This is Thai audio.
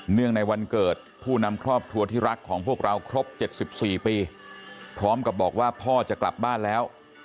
ในวันเกิดผู้นำครอบครัวที่รักของพวกเราครบ๗๔ปีพร้อมกับบอกว่าพ่อจะกลับบ้านแล้ว